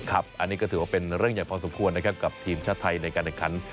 อันนี้ก็ถือว่าเป็นเรื่องใหญ่พอสมควรนะครับกับทีมชาติไทยในการแข่งขัน